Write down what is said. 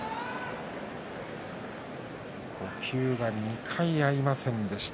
呼吸が２回合いませんでした。